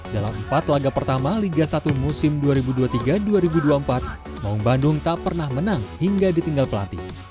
dalam empat laga pertama liga satu musim dua ribu dua puluh tiga dua ribu dua puluh empat maung bandung tak pernah menang hingga ditinggal pelatih